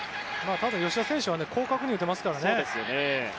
吉田選手は広角に打てますからね。